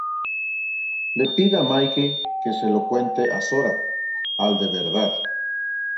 Le pide a Mickey que se lo cuente a Sora, al de verdad.